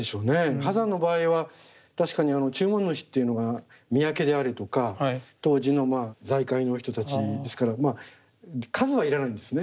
波山の場合は確かに注文主っていうのが宮家であるとか当時の財界の人たちですから数は要らないんですね。